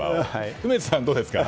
梅津さんはどうですか？